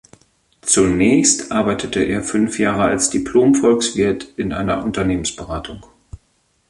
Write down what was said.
Zunächst arbeitete er fünf Jahre als Diplom-Volkswirt in einer Unternehmensberatung.